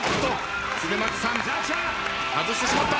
恒松さん外してしまった。